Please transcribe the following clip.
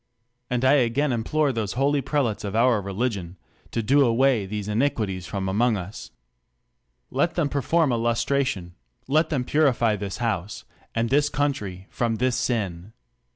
And I again implore those holy prelates oi our relidon, to do away these initiuitics kom among u?. Let them perform a lustration; let them purity tl.is House, and this country from this sin.